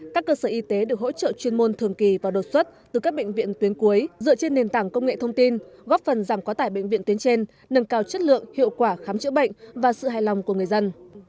các cơ sở y tế được hỗ trợ chuyên môn thường kỳ và đột xuất từ các bệnh viện tuyến cuối dựa trên nền tảng công nghệ thông tin góp phần giảm quá tải bệnh viện tuyến trên nâng cao chất lượng hiệu quả khám chữa bệnh và sự hài lòng của người dân